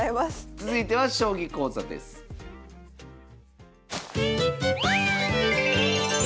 続いては将棋講座です。